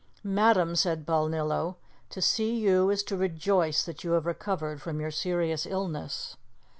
"Madam," said Balnillo, "to see you is to rejoice that you have recovered from your serious illness."